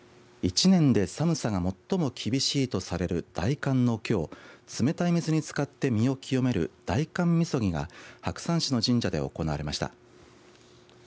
１年で寒さが最も厳しいとされる大寒のきょう冷たい水につかって身を清める大寒みそぎが白山市の神社で行われました。